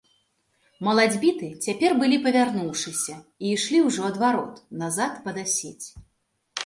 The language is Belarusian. Малацьбіты цяпер былі павярнуўшыся і ішлі ўжо ад варот, назад пад асець.